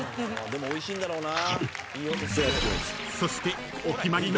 でもおいしいんだろうな。